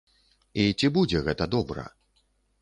І ці будзе гэта добра?